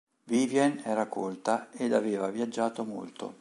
Vivien era colta ed aveva viaggiato molto.